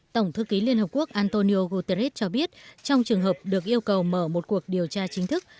tổng thư ký liên hợp quốc antonio guterres cho biết trong trường hợp được yêu cầu mở một cuộc điều tra chính thức